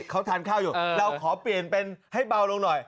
เขาทานข้าวอยู่เราขอเปลี่ยนเป็นให้เบาลงหน่อย